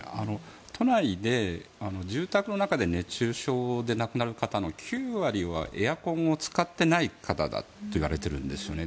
都内で住宅の中で熱中症で亡くなる方の９割はエアコンを使ってない方だといわれているんですよね。